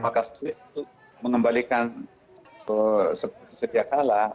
maka itu mengembalikan setiap kalah